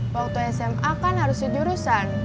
waktu sma kan harus di jurusan